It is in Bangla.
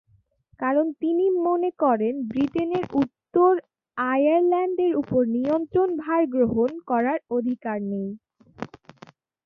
কারণ তিনি মনে করেন, ব্রিটেনের উত্তর আয়ারল্যান্ডের উপর নিয়ন্ত্রণ ভার গ্রহণ করার অধিকার নেই।